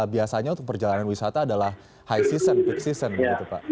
biasanya untuk perjalanan wisata adalah high season peak season begitu pak